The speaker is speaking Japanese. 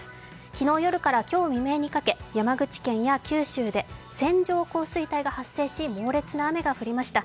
昨日夜から今日未明にかけ、山口県や九州で、線状降水帯が発生した猛烈な雨が降りました。